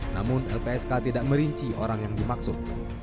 namun lpsk tidak merinci orang yang dimaksud